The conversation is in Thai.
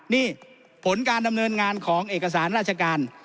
นี่ผลการดำเนินงานของเอกสารราชการ